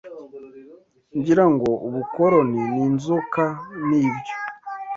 Ngira ngo ubukoloni n’inzoka n’ibyo